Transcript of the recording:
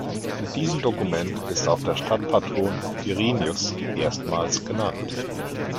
In diesem Dokument ist auch der Stadtpatron "Quirinus" erstmals genannt.